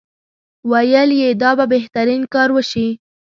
ویل یې دا به بهترین کار وشي.